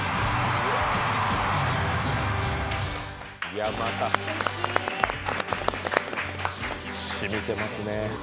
いやまたしみてますね。